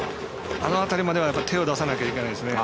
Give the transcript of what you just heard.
あの辺りまでは手を出さないといけないですね。